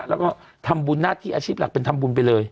แล้วก็ทำบุญหน้าที่อาชีพหลักเป็นทำบุญไปเลย